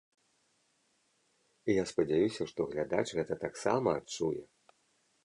І я спадзяюся, што глядач гэта таксама адчуе.